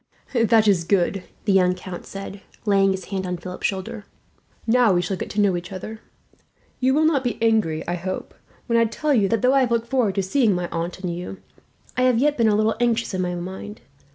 "That is good," the young count said, laying his hand on Philip's shoulder; "now we shall get to know each other. You will not be angry, I hope, when I tell you that, though I have looked forward to seeing my aunt and you, I have yet been a little anxious in my mind.